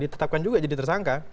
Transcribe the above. ditetapkan juga jadi tersangka